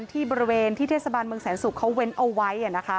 ที่บริเวณที่เทศบาลเมืองแสนศุกร์เขาเว้นเอาไว้